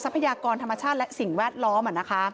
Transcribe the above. พยากรธรรมชาติและสิ่งแวดล้อม